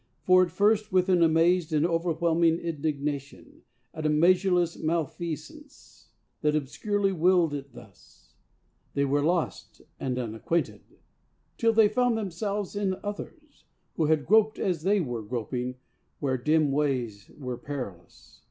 For at first, with an amazed and overwhelming indignation At a measureless malfeasance that obscurely willed it thus, They were lost and unacquainted till they found themselves in others, Who had groped as they were groping where dim ways were perilous.